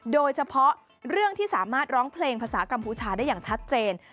โดยเฉพาะเรื่องที่สามารถร้องเพลงภาษากัมพูชาได้อย่างชัดเจน